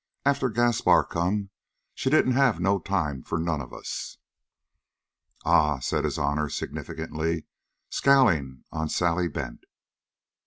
"After Gaspar come, she didn't have no time for none of us!" "Ah!" said his honor significantly, scowling on Sally Bent.